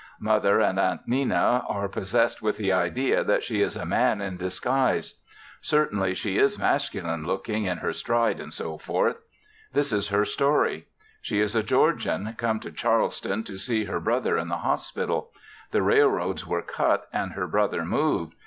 Mother and Aunt Nenna are possessed with the idea that she is a man in disguise; certainly she is masculine looking in her stride &c. This is her story; she is a Georgian, came to Charleston to see her brother in the hospital. The railroads were cut, and her brother moved.